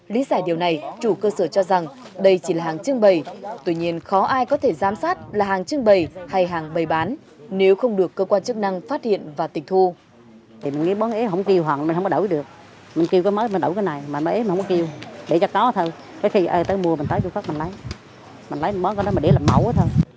lý giải điều này chủ cơ sở cho rằng đây chỉ là hàng trưng bày tuy nhiên khó ai có thể giám sát là hàng trưng bày hay hàng bày bán nếu không được cơ quan chức năng phát hiện và tịch thu